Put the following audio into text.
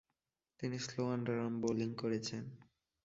তিনি slow underarm bowling করেছেন।